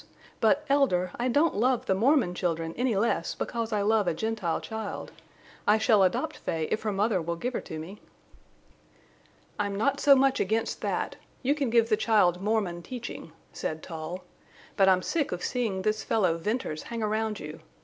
But, Elder, I don't love the Mormon children any less because I love a Gentile child. I shall adopt Fay if her mother will give her to me." "I'm not so much against that. You can give the child Mormon teaching," said Tull. "But I'm sick of seeing this fellow Venters hang around you.